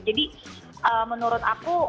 jadi menurut aku